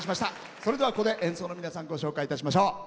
それでは、ここで演奏の皆さんご紹介いたしましょう。